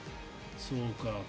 そうか。